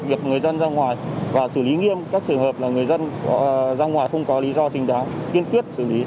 việc người dân ra ngoài và xử lý nghiêm các trường hợp là người dân ra ngoài không có lý do chính đáng kiên quyết xử lý